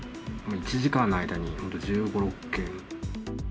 １時間の間に本当１５、６件。